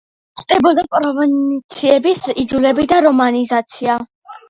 ხდებოდა პროვინციების იძულებითი რომანიზაცია.